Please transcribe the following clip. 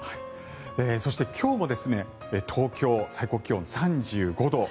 そして今日も東京、最高気温３５度。